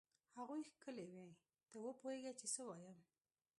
هغوی ښکلې وې؟ ته وپوهېږه چې څه وایم.